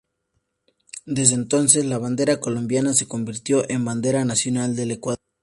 Desde entonces, la bandera colombiana se convirtió en bandera nacional del Ecuador.